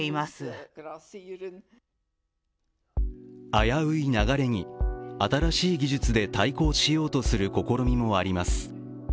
危うい流れに、新しい技術で対抗しようとする試みもあります。